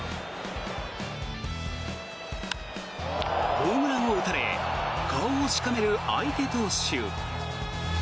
ホームランを打たれ顔をしかめる相手投手。